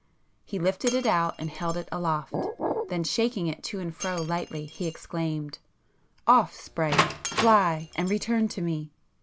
He lifted it out and held it aloft, then shaking it to and fro lightly, he exclaimed— "Off, Sprite! Fly, and return to me!"